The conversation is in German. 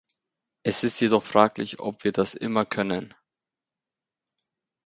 Es ist jedoch fraglich, ob wir das immer können.